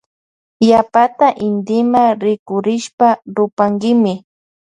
Yapata intima rikurishpa rupankimi.